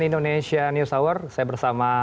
indonesia news hour saya bersama